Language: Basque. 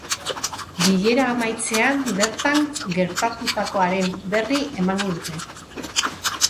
Bilera amaitzean bertan gertatutakoaren berri emango dute.